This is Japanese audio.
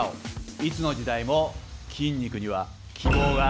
いつの時代も筋肉には希望がつまっている。